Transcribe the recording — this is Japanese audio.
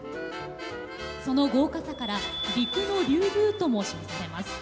その豪華さから「陸の竜宮」とも称されます。